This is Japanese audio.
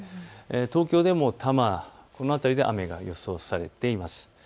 東京でも多摩、この辺りで雨が予想されています。